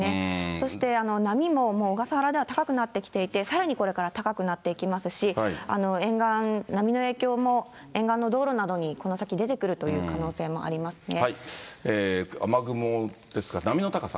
そして波ももう小笠原では高くなってきていて、さらにこれから高くなっていきますし、沿岸、波の影響も、沿岸の道路などに、この先、出てくるという可能性雨雲ですか、波の高さ。